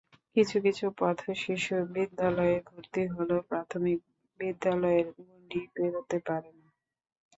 কিছু কিছু পথশিশু বিদ্যালয়ে ভর্তি হলেও প্রাথমিক বিদ্যালয়ের গণ্ডিই পেরোতে পারে না।